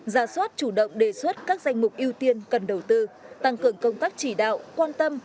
ra soát chủ động đề xuất các danh mục ưu tiên cần đầu tư tăng cường công tác chỉ đạo quan tâm